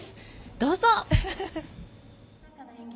どうぞ。